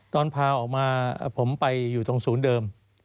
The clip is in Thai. ตอนพาออกมาผมไปอยู่ตรงศูนย์เดิม